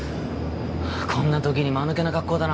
こんなときに間抜けな格好だな